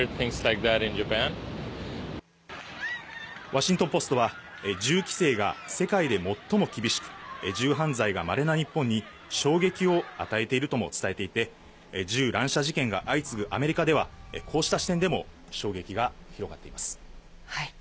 ワシントンポストは、銃規制が世界で最も厳しく、銃犯罪がまれな日本に、衝撃を与えているとも伝えていて、銃乱射事件が相次ぐアメリカでは、こうした視点でも衝撃が広がっています。